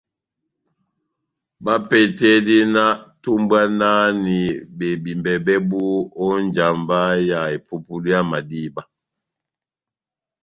Bapehetedi na tumbwanahani bebímbɛ bɛbu ó njamba ya epupudu yá madíba.